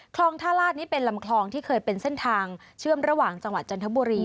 ท่าลาดนี่เป็นลำคลองที่เคยเป็นเส้นทางเชื่อมระหว่างจังหวัดจันทบุรี